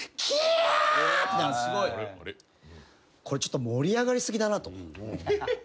これちょっと盛り上がりすぎだなと。